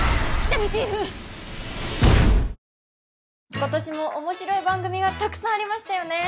今年も面白い番組がたくさんありましたよね